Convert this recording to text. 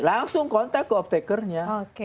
langsung kontak ke optikernya